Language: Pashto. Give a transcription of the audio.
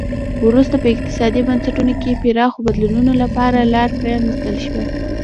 وروسته په اقتصادي بنسټونو کې پراخو بدلونونو لپاره لار پرانیستل شوه.